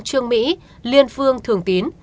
trương mỹ liên phương thường tín